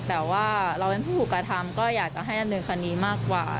แต่ว่าเราเป็นผู้หุกธรรมก็อยากจะให้อันเดือนคนนี้มากกว่า